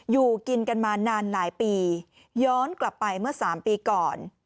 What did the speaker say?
อยู่กินกันมานานหลายปีย้อนกลับไปเมื่อ๓ปีก่อน